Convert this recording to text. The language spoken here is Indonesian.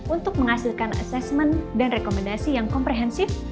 untuk menghasilkan assessment dan rekomendasi yang komprehensif